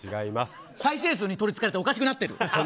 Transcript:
再生数に取りつかれておかしくなってる。